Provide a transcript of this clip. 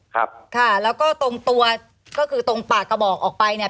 ครับค่ะแล้วก็ตรงตัวก็คือตรงปากกระบอกออกไปเนี่ย